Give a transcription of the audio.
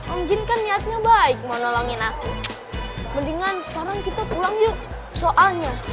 om jering kan niatnya baik mau nolongin aku mendingan sekarang kita pulang yuk soalnya